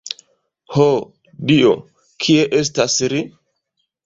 Ho, Dio, kie estas li?